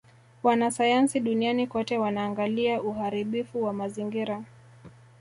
Wanasayansi duniani kote wanaangalia uharibifu wa mazingira